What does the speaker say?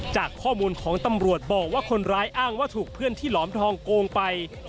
จากข้อมูลของตำรวจบอกว่าคนร้ายอ้างว่าถูกเพื่อนที่หลอมทองโกงไป